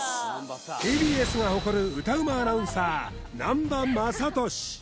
ＴＢＳが誇る歌うまアナウンサー南波雅俊